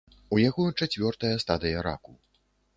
У яго чацвёртая стадыя раку.